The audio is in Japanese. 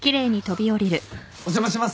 お邪魔します。